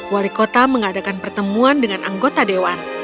wali kota mengadakan pertemuan dengan anggota dewan